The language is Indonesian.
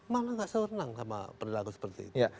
malah gak selalu renang sama perilaku seperti itu